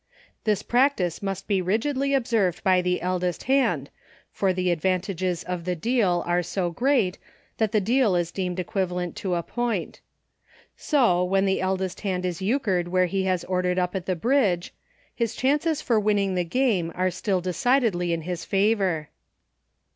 This practice must be rigidly observed by the eldest hand, for the advantages of the deal are so great, that the deal is deemed equivalent to a point; so, when the eldest hand is Euchred where he has ordered up at the Bridge, his PLAYING ALONE. 57 chances for winning the game are still deci dedly in his favor.